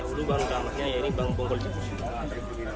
dulu bahan utamanya ini bongkol jagung